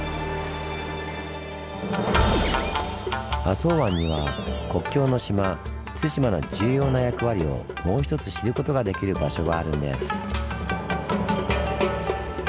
浅茅湾には国境の島・対馬の重要な役割をもうひとつ知ることができる場所があるんです。